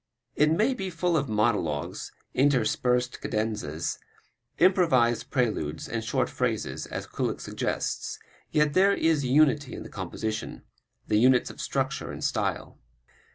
It may be full of monologues, interspersed cadenzas, improvised preludes and short phrases, as Kullak suggests, yet there is unity in the composition, the units of structure and style.